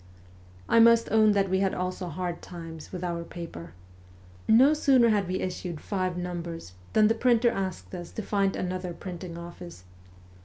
I must own that we had also hard times with our paper. No sooner had we issued five numbers than the printer asked us to find another printing office.